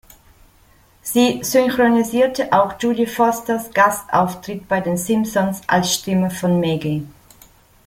Sie synchronisierte auch Jodie Fosters Gastauftritt bei den "Simpsons" als Stimme von Maggie.